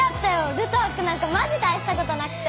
ルトワックなんかマジ大したことなくて。